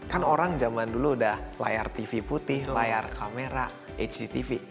kan orang zaman dulu udah layar tv putih layar kamera hctv